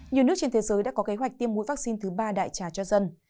nhiều nước trên thế giới đã có kế hoạch tiêm mũi vaccine thứ ba đại trà cho dân